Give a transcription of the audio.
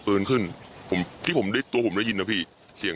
ปลูมโทรมาให้ช่วยพี่